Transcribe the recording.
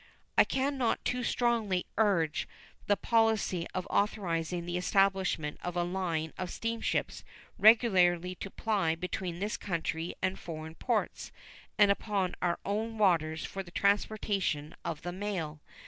I can not too strongly urge the policy of authorizing the establishment of a line of steamships regularly to ply between this country and foreign ports and upon our own waters for the transportation of the mail.